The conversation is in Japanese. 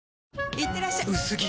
いってらっしゃ薄着！